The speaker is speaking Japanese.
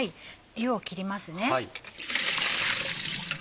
湯を切りますね。